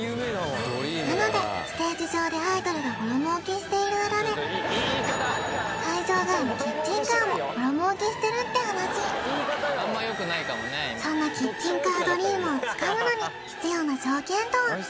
なのでステージ上でアイドルがボロ儲けしている裏で会場外のキッチンカーもボロ儲けしてるって話そんなキッチンカードリームをつかむのに必要な条件とは？